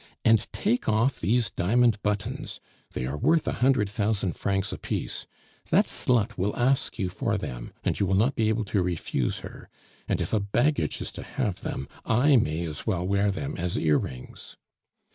And take off these diamond buttons; they are worth a hundred thousand francs apiece that slut will ask you for them, and you will not be able to refuse her; and if a baggage is to have them, I may as well wear them as earrings."